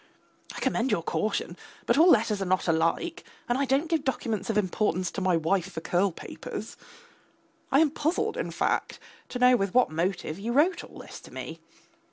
I commend your caution, but all letters are not alike, and I don't give documents of importance to my wife for curl papers. I am puzzled, in fact, to know with what motive you wrote all this to me.